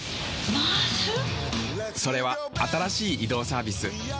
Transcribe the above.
それは新しい移動サービス「ＭａａＳ」。